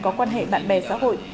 có quan hệ bạn bè xã hội